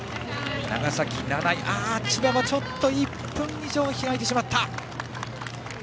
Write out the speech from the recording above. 千葉もちょっと１分以上開いてしまった。